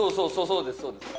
そうですそうです。